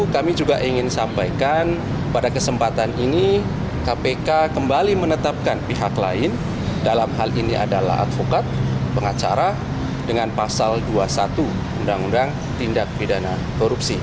kita kembali menetapkan pihak lain dalam hal ini adalah advokat pengacara dengan pasal dua puluh satu undang undang tindak bidana korupsi